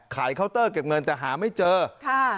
เคาน์เตอร์เก็บเงินแต่หาไม่เจอค่ะ